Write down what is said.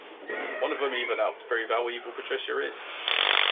One of them even helped prove how evil Patricia is.